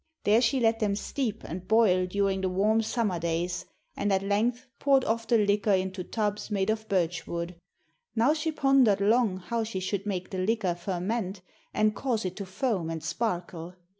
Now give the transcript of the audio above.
There she let them steep and boil during the warm summer days, and at length poured off the liquor into tubs made of birch wood. Now she pondered long how she should make the liquor ferment and cause it to foam and sparkle.